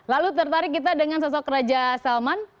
lalu tertarik kita dengan sosok raja salman